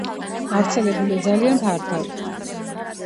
გავრცელებულია ძალიან ფართოდ.